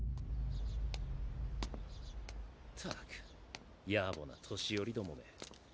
ったくやぼな年寄りどもめ。